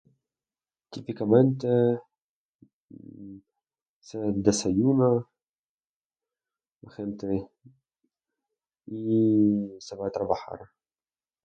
Típicamente se desayuna... la gente y se va a trabajar.